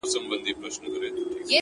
ماته د مار خبري ډيري ښې دي’